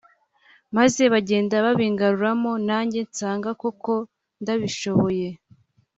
maze bagenda babingaruramo nanjye nsanga koko ndabishoboye